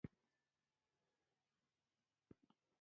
ای د ملايکو ريسه اغه ځای په ځای ناکامه کړې.